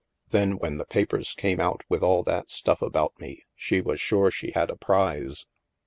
Then when the papers came out with all that stuff about me, she was sure she had a prize."